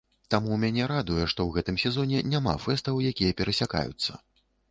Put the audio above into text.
Таму мяне радуе, што ў гэтым сезоне няма фэстаў, якія перасякаюцца.